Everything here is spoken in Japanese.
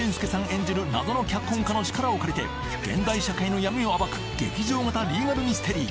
演じる謎の脚本家の力を借りて現代社会の闇を暴く劇場型リーガルミステリー！